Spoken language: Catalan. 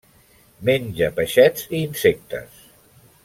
Menja peixets i insectes.